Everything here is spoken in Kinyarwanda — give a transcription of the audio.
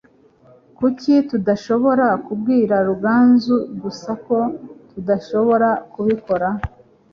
kuki tudashobora kubwira ruganzu gusa ko tudashobora kubikora